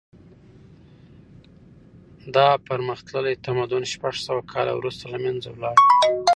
دا پرمختللی تمدن شپږ سوه کاله وروسته له منځه لاړ.